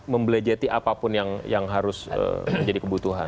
membelejati apapun yang harus jadi kebutuhan